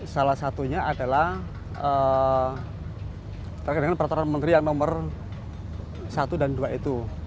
salah satunya adalah terkait dengan peraturan menterian nomor satu dan dua itu